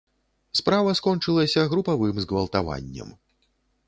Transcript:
Справа скончылася групавым згвалтаваннем.